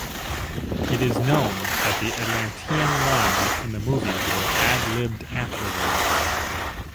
It is known that the Atlantean lines in the movie were ad-libbed afterwards.